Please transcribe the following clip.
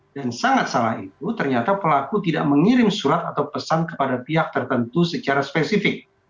dan sangat salah itu ternyata pelaku tidak mengirim surat atau pesan kepada pihak tertentu secara spesifik